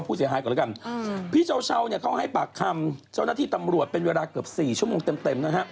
พี่เจ้าเช่าเขาให้ปากคำเจ้านที่ตำรวจเป็นเวลาเกือบสี่ชั่วโมงเต็ม